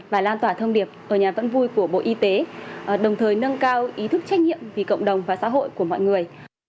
và lan tỏa thông điệp ở nhà vẫn vui của bộ y tế đồng thời nâng cao ý thức trách nhiệm vì cộng đồng và xã hội của mọi người